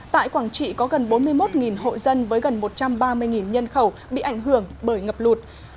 tại quảng trị có gần bốn mươi một hộ dân với gần một trăm ba mươi nhân khẩu bị ảnh hưởng bởi ngập lụt